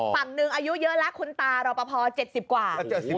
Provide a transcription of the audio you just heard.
ฝั่งหนึ่งอายุเยอะแล้วคุณตารอปภ๗๐กว่า